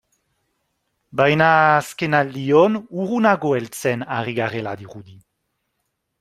Baina azkenaldion urrunago heltzen ari garela dirudi.